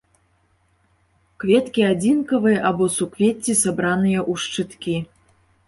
Кветкі адзінкавыя або суквецці, сабраныя ў шчыткі.